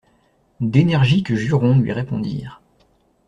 D'énergiques jurons lui répondirent.